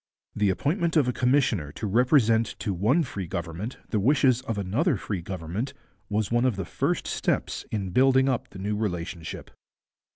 The appointment of a commissioner to represent to one free government the wishes of another free government was one of the first steps in building up the new relationship.